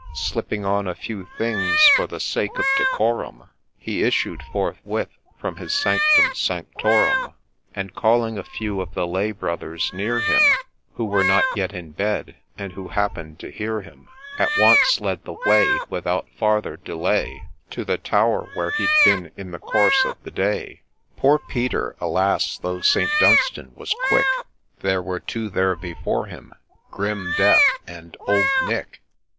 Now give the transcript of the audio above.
Slipping on a few things, for the sake of decorum, He issued forthwith from his Sanctum sanctorum, And calling a few of the Lay brothers near him, Who were not yet in bed, and who happen'd to hear him, At once led the way, Without farther delay, To the tower, where he'd been in the course of the day. Poor Peter !— alas ! though St. Dunstan was quick, There were two there before him — Grim Death, and Old Nick